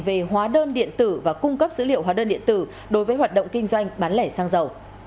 về hóa đơn điện tử và cung cấp dữ liệu hóa đơn điện tử đối với hoạt động kinh doanh bán lẻ xăng dầu